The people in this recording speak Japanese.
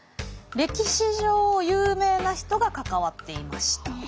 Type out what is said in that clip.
歴史上有名な人が関わっていました。